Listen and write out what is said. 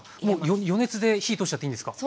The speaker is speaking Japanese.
予熱で火通しちゃっていいんですか？